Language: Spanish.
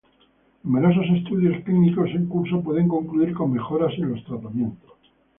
Numerosos estudios clínicos en curso pueden concluir con mejoras en los tratamientos.